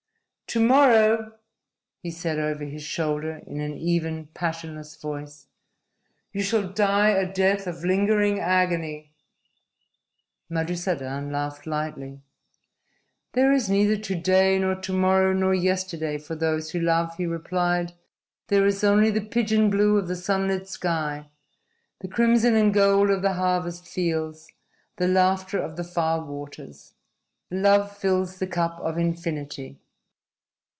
"To morrow," he said over his shoulder, in an even, passionless voice, "you shall die a death of lingering agony." Madusadan laughed lightly. "There is neither to day nor to morrow nor yesterday for those who love," he replied. "There is only the pigeon blue of the sunlit sky, the crimson and gold of the harvest fields, the laughter of the far waters. Love fills the cup of infinity."